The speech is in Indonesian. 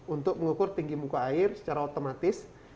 untuk mengukur tinggi muka air secara otomatis